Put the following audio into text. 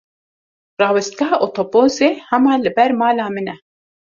Rawestgeha otobûsê hema li ber mala min e.